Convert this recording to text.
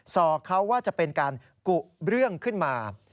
อกเขาว่าจะเป็นการกุเรื่องขึ้นมา